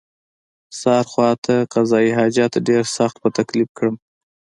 سهار خواته قضای حاجت ډېر سخت په تکلیف کړم.